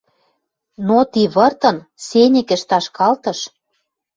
Но ти выртын сеньӹкӹш ташкалтыш